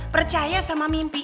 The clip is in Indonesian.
percaya sama mimpi